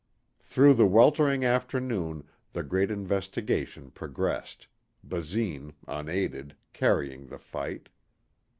Through the weltering afternoon the great investigation progressed, Basine, unaided, carrying the fight.